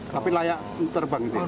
tapi layak terbang itu